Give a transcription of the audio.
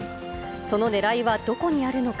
そのねらいはどこにあるのか。